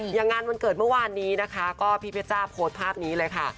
อย่างงานวันเกิดเมื่อวานนี้นะคะก็พี่เพชรจ้าโพสต์ภาพนี้เลยค่ะ